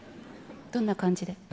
どんな感じで？